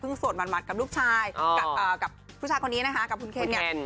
สวดหมัดกับลูกชายกับผู้ชายคนนี้นะคะกับคุณเคนเนี่ย